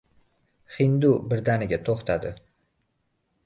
Hindu birdaniga toʻxtadi.